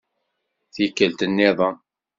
Tikkelt-nniḍen.